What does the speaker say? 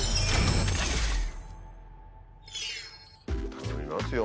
頼みますよ